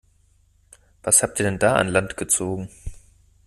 Was habt ihr denn da an Land gezogen?